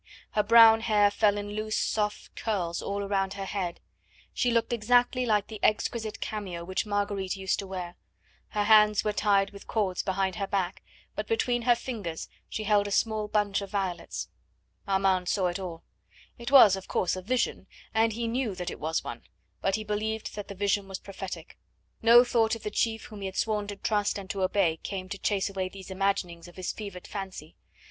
Her brown hair fell in loose soft curls all round her head. She looked exactly like the exquisite cameo which Marguerite used to wear. Her hands were tied with cords behind her back, but between her fingers she held a small bunch of violets. Armand saw it all. It was, of course, a vision, and he knew that it was one, but he believed that the vision was prophetic. No thought of the chief whom he had sworn to trust and to obey came to chase away these imaginings of his fevered fancy.